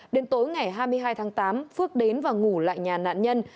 đến tối ngày hai mươi hai tháng tám phước đến và ngủ lại nhà nạn nhân